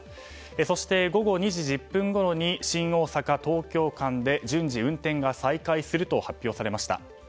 そして、午後２時１０分ごろに新大阪東京間で順次、運転が再開すると発表されました。